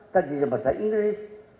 tadinya bahasa inggris